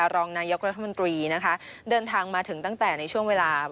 รองนายกรัฐมนตรีนะคะเดินทางมาถึงตั้งแต่ในช่วงเวลา